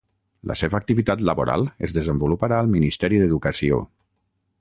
La seva activitat laboral es desenvoluparà al Ministeri d'Educació.